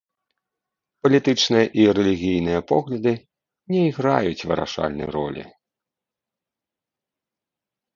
Палітычныя і рэлігійныя погляды не іграюць вырашальнай ролі.